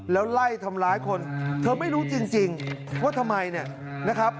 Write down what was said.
แล้วไล่ทำร้ายคนเธอไม่รู้จริงว่าทำไมเนี่ยนะครับ